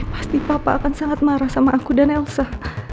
pasti papa akan sangat marah sama aku dan elsa